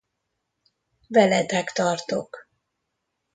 Veletek tartok!